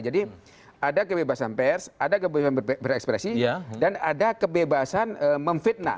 jadi ada kebebasan pers ada kebebasan berekspresi dan ada kebebasan memfitnah